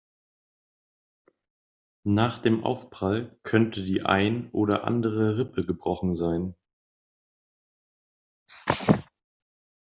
Nach dem Aufprall könnte die ein oder andere Rippe gebrochen sein.